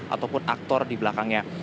ataupun aktor di belakangnya